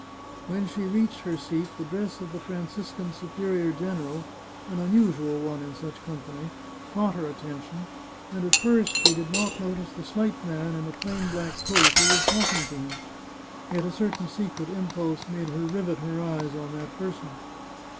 When she reached her seat the dress of the Franciscan superior general, an unusual one in such company, caught her attention, and at first she did not notice the slight man in a plain black coat who was talking to him. Yet a certain secret impulse made her rivet her eyes on that person.